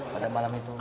pada malam itu